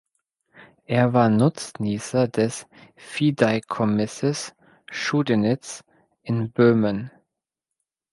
Er war Nutznießer des Fideikommisses Chudenitz in Böhmen.